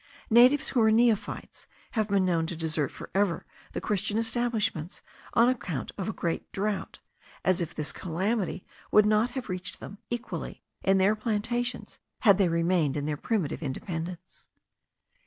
Natives, who were neophytes, have been known to desert for ever the Christian establishments, on account of a great drought; as if this calamity would not have reached them equally in their plantations, had they remained in their primitive independence.